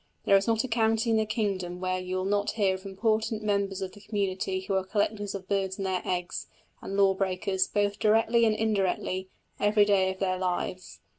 There is not a county in the kingdom where you may not hear of important members of the community who are collectors of birds and their eggs, and law breakers, both directly and indirectly, every day of their lives.